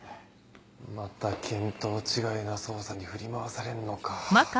また見当違いな捜査に振り回されんのかぁ。